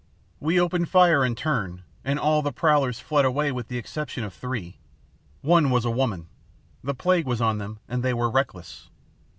We opened fire in turn, and all the prowlers fled away with the exception of three. One was a woman. The plague was on them and they were reckless.